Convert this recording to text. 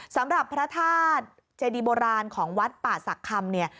สำหรับพระธาตุเจดีโบราณของวัดป่าศักดิ์คำเนี่ย